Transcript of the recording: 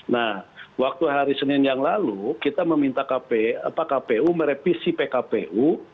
nah waktu hari senin yang lalu kita meminta kpu merevisi pkpu